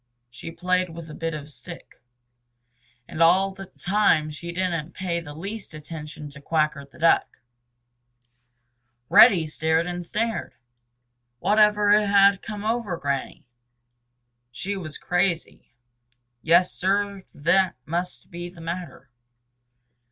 She played with a bit of stick. And all the time she didn't pay the least attention to Quacker the Duck. Reddy stared and stared. Whatever had come over Granny? She was crazy. Yes, Sir, that must be the matter.